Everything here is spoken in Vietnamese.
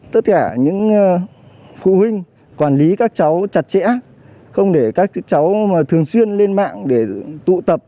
tất cả những phụ huynh quản lý các cháu chặt chẽ không để các cháu thường xuyên lên mạng để tụ tập